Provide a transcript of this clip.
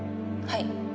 はい。